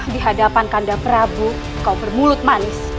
di hadapan kanda prabu kau bermulut manis